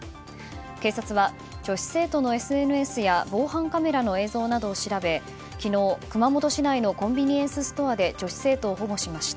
警察は、女子生徒のＳＮＳや防犯カメラの映像などを調べ昨日、熊本市内のコンビニエンスストアで女子生徒を保護しました。